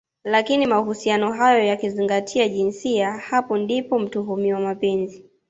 lakini mahusiano hayo yakizingatia jinsia hapo ndipo mtuhumiwa Mapenzi